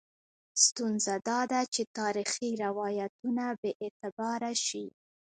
ستونزه دا ده چې تاریخي روایتونه بې اعتباره شي.